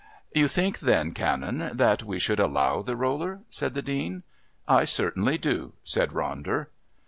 "You think then, Canon, that we should allow the roller?" said the Dean. "I certainly do," said Ronder.